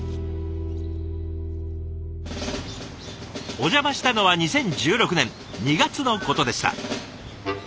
お邪魔したのは２０１６年２月のことでした。